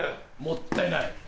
もったいない。